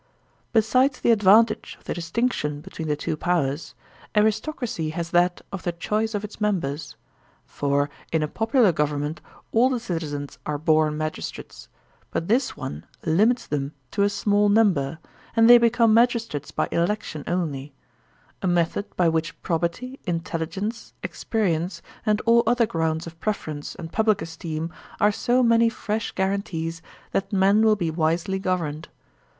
Besides the advantage of the distinction between the two powers, aristocracy has that of the choice of its members; for in a popular government all the citizens are bom magistrates; but this one limits them to a small ntmiber, and they become magistrates by election only;f a method by which probity, intelligence, ex perience, and all other grounds of preference and public esteem are so many fresh guarantees that men will be wisely governed.